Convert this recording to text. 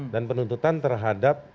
dan penuntutan terhadap